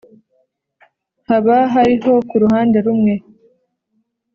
haba hariho ku ruhande rumwe